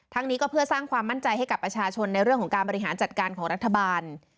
นี้ก็เพื่อสร้างความมั่นใจให้กับประชาชนในเรื่องของการบริหารจัดการของรัฐบาล